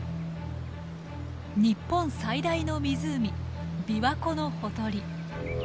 日本最大の湖琵琶湖のほとり。